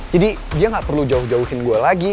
jadi dia gak perlu jauh jauhin gue lagi